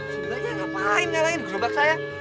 sebenernya ngapain nyalain gerobak saya